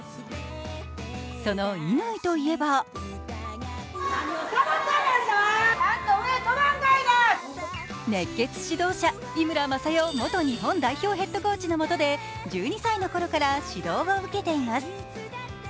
その乾といえば熱血指導者、井村雅代元日本代表ヘッドコーチのもとで１２歳の頃から指導を受けています。